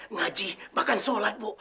ngaji bahkan sholat bu